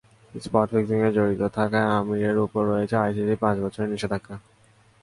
Spot ফিক্সিংয়ে জড়িত থাকায় আমিরের ওপর রয়েছে আইসিসির পাঁচ বছরের নিষেধাজ্ঞা।